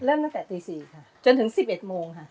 เริ่มตั้งแต่ตี๔ค่ะจนถึง๑๑โมงค่ะ